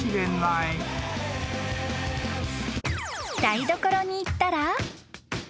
［台所に行ったら］